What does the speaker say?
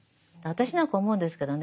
私なんか思うんですけどね